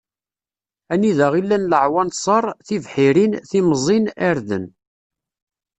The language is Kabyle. Anida i llan laɛwanṣer, tibḥirin, timẓin, irden.